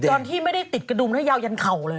ตอนที่ไม่ได้ติดกระดุมนะยาวยันเข่าเลย